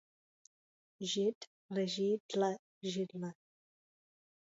Žid leží dle židle.